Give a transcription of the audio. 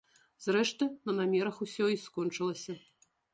Зрэшты, на намерах усё і скончылася.